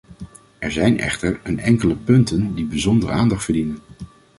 Er zijn echter een enkele punten die bijzondere aandacht verdienen.